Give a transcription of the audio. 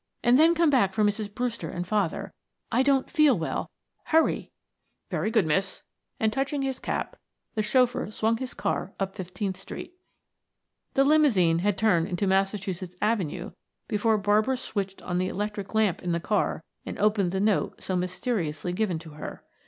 "And then come back for Mrs. Brewster and father. I don't feel well hurry." "Very good, miss," and touching his cap the chauffeur swung his car up Fifteenth Street. The limousine had turned into Massachusetts Avenue before Barbara switched on the electric lamp in the car and opened the note so mysteriously given to her.